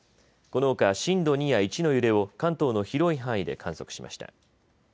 このほか震度２や１の揺れを関東の広い範囲で観測しました。